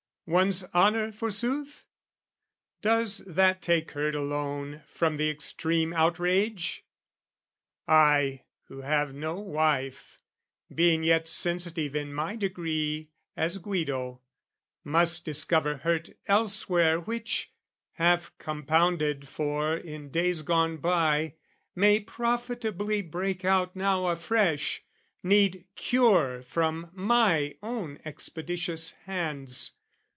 One's honour forsooth? Does that take hurt alone From the extreme outrage? I who have no wife, Being yet sensitive in my degree As Guido, must discover hurt elsewhere Which, half compounded for in days gone by, May profitably break out now afresh, Need cure from my own expeditious hands.